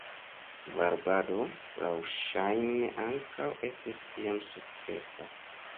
Varbado laŭŝajne ankaŭ estis iom sukcesa.